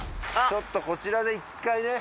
ちょっとこちらで一回ね